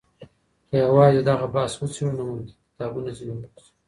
که يوازي دغه بحث وڅيړو، نو ممکن کتابونه ځني جوړ سي